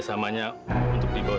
namanya ter robe awal